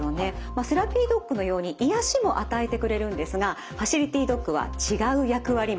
セラピードッグのように癒やしも与えてくれるんですがファシリティドッグは違う役割もあるんです。